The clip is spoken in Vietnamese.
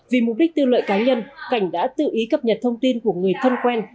vì mục đích tiêu lợi cá nhân cảnh đã tự ý cập nhật thông tin của người thân quen